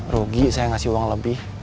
rugi saya ngasih uang lebih